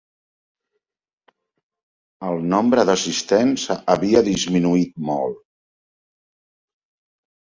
El nombre d'assistents havia disminuït molt.